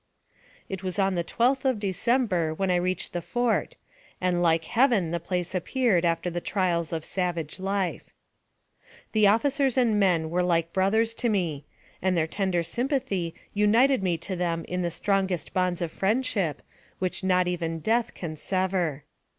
It was on the 12th of December when I reached the fort, and like heaven the place appeared after the trials of savage life. The officers and men were like brothers to me ; and their tender sympathy united me to them in the AMONG THE SIOUX INDIANS. 215 strongest bonds of friendship, which not even death can sever.